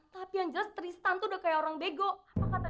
udah bagus saya kasih kesempatan